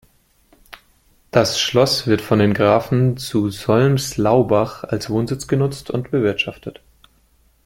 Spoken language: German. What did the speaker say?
Das Schloss wird von den Grafen zu Solms-Laubach als Wohnsitz genutzt und bewirtschaftet.